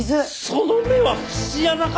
その目は節穴か！？